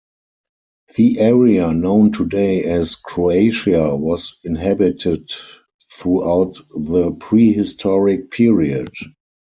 The area known today as Croatia was inhabited throughout the prehistoric period.